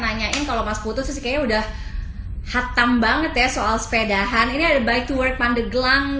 nanyain kalau mas putus kayaknya udah hatam banget ya soal sepeda han ini ada by the work pandeglang